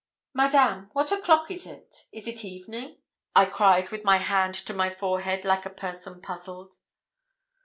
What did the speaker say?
'Madame, what o'clock is it? Is it evening?' I cried with my hand to my forehead, like a person puzzled.